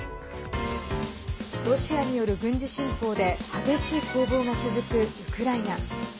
ロシアによる軍事侵攻で激しい攻防が続くウクライナ。